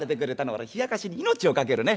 俺ひやかしに命を懸けるね。